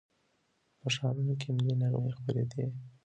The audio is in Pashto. په ښارونو کې ملي نغمې خپرېدې.